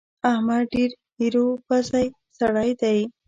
احمد ډېر ايرو پزی سړی دی.